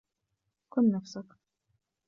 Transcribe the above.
كن نفسك.